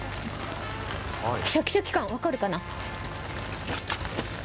シャキシャキ感、分かるかな？